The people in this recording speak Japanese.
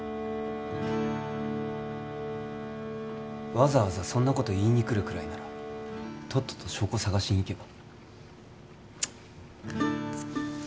わざわざそんなこと言いに来るくらいならとっとと証拠探しに行けば？